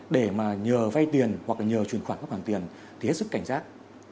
để mà nhờ vay tiền hoặc nhờ truyền khoản góp hàng tiền thì hết sức cảnh giác